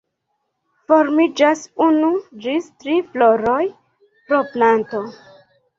Formiĝas unu ĝis tri floroj pro planto.